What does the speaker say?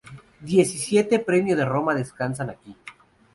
Diecisiete Premio de Roma descansan aquí.